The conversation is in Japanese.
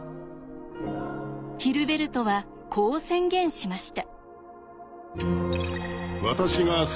ヒルベルトはこう宣言しました。